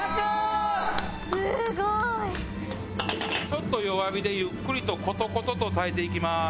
ちょっと弱火でゆっくりとコトコトと炊いていきます。